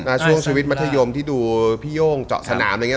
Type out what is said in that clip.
ช่วงชีวิตมัธยมที่ดูพี่โย่งเจาะสนามอะไรอย่างเง